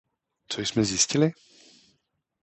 Co jsme zjistili?